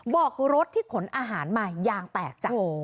บอกรถที่ขนอาหารมายางแตกจ้ะ